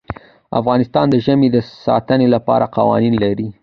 افغانستان د ژمی د ساتنې لپاره قوانین لري.